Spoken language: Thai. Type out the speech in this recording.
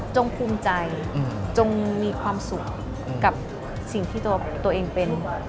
ภูมิใจจงมีความสุขกับสิ่งที่ตัวเองเป็น